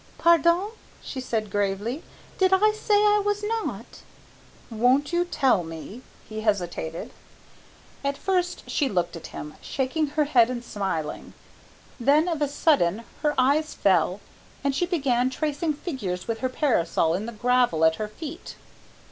"Pardon," she said gravely, "did I say I was not?" "Won't you tell me?" he hesitated. At first she looked at him, shaking her head and smiling, then of a sudden her eyes fell and she began tracing figures with her parasol in the gravel at her feet.